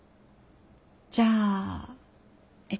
じゃあえっと